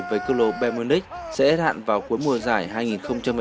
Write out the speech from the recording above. với cư lộ bermudez sẽ hết hạn vào cuối mùa giải hai nghìn một mươi bảy hai nghìn một mươi tám